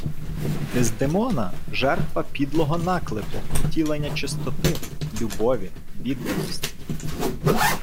Дездемона - жертва підлого наклепу, втілення чистоти, любові, відданості